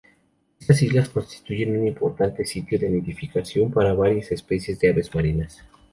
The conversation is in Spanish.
Estas islas constituyen un importante sitio de nidificación para varias especies de aves marinas.